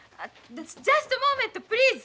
ジャストモーメントプリーズ。